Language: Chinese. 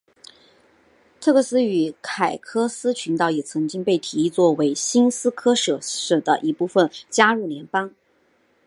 特克斯与凯科斯群岛也曾经被提议作为新斯科舍省的一部分加入联邦。